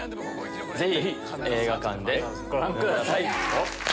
ぜひ映画館でご覧ください。